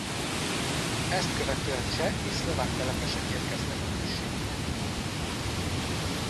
Ezt követően cseh és szlovák telepesek érkeztek a községbe.